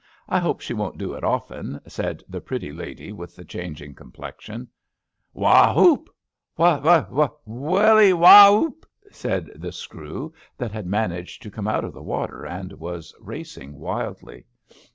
I hope she won't do it often,'' said the pretty lady with the chang ing complexion. Wha hoopI What — wha — wha — willy whoopi '^ said the screw, that had managed to come out of the water and w^s racing wildly.